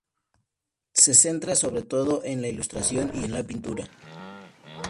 Se centra sobre todo en la ilustración y en la pintura.